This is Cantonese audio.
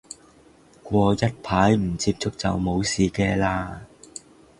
過一排唔接觸就冇事嘅喇